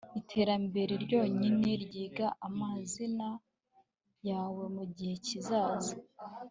iterambere ryonyine ryiga amazina yawe mugihe kizaza